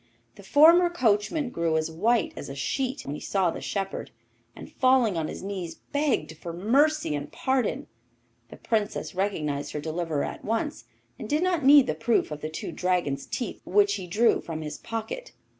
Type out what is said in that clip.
The former coachman grew as white as a sheet when he saw the shepherd, and, falling on his knees, begged for mercy and pardon. The Princess recognized her deliverer at once, and did not need the proof of the two dragon's teeth which he drew from his pocket.